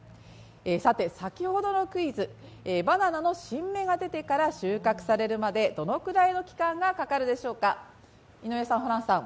さて、先ほどのクイズ、バナナの新芽が出てから収穫されるまでどのくらいの期間がかかるでしょうか井上さん、ホランさん